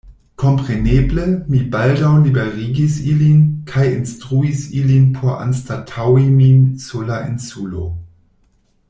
Kompreneble, mi baldaŭ liberigis ilin, kaj instruis ilin por anstataŭi min sur la insulo.